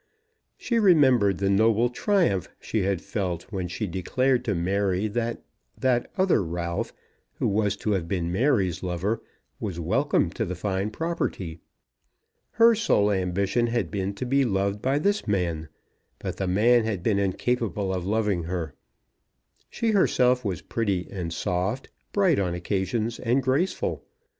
She remembered the noble triumph she had felt when she declared to Mary that that other Ralph, who was to have been Mary's lover, was welcome to the fine property. Her sole ambition had been to be loved by this man; but the man had been incapable of loving her. She herself was pretty, and soft, bright on occasions, and graceful.